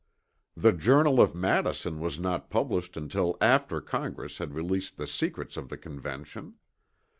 The Journal of Madison was not published until after Congress had released the secrets of the Convention.